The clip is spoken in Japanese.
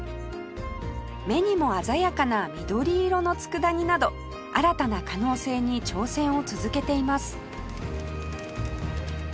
目にも鮮やかな緑色の佃煮など新たな可能性に挑戦を続けています